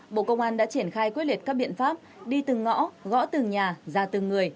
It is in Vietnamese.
bộ công an đã triển khai quyết liệt các biện pháp đi từng ngõ gõ từng nhà ra từng người